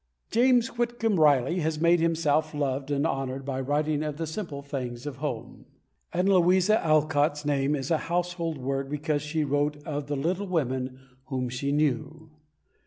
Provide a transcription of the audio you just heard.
James Whitcomb Riley has made himself loved and honoured by writing of the simple things of home, and Louisa Alcott's name is a household word because she wrote of the little women whom she knew.